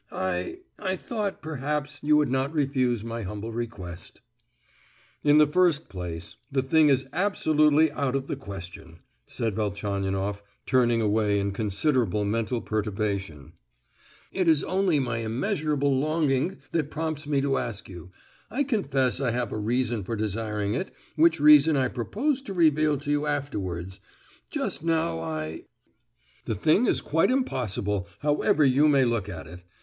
I—I thought perhaps you would not refuse my humble request." "In the first place, the thing is absolutely out of the question," said Velchaninoff, turning away in considerable mental perturbation. "It is only my immeasurable longing that prompts me to ask you. I confess I have a reason for desiring it, which reason I propose to reveal to you afterwards; just now I——" "The thing is quite impossible, however you may look at it.